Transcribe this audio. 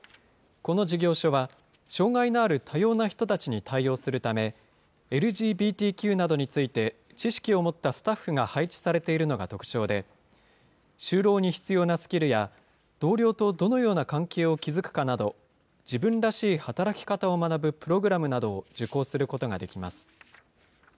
この事業所は、障害のある多様な人たちに対応するため、ＬＧＢＴＱなどについて知識を持ったスタッフが配置されているのが特徴で、就労に必要なスキルや、同僚とどのような関係を築くかなど、自分らしい働き方を学ぶプログラムなどを受講することができます。